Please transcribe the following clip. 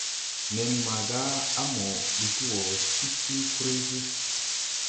Nen maaga a mo dig wɔɔ ti ti fruygi.